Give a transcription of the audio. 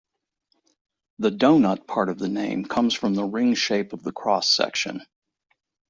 The "doughnut" part of the name comes from the ring shape of the cross-section.